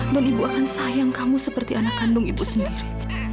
dan ibu akan sayang kamu seperti anak kandung ibu sendiri